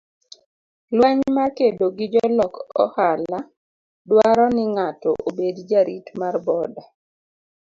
Lweny mar kedo gi jolok ohala dwaro ni ng'ato obed jarit mar boda.